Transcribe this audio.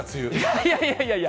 いやいやいやいや。